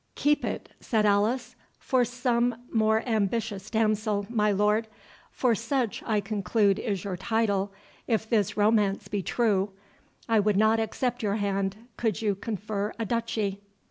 "Keep it," said Alice, "for some more ambitious damsel, my lord,—for such I conclude is your title, if this romance be true,—I would not accept your hand, could you confer a duchy."